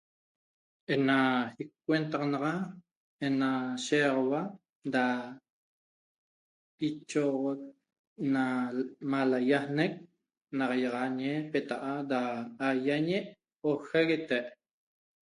Ena icuenataxa ena shiaxauapi da ichoxot na ma laiaxnec nahiaxañe petaa' da a iañe o jaguete'